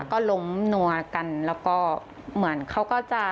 ก็ล้มนัวกันแล้วก็เหมือนเขาก็จะ